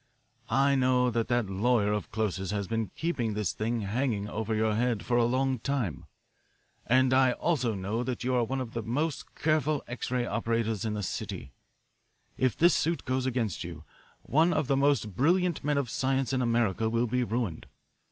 I know that that lawyer of Close's has been keeping this thing hanging over your head for a long time. And I also know that you are one of the most careful X ray operators in the city. If this suit goes against you, one of the most brilliant men of science in America will be ruined.